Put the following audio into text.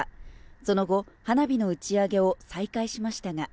その後、花火の打ち上げを再開しましたが。